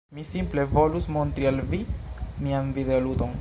Mi simple volus montri al vi mian videoludon.